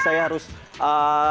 saya harus jalan ke mana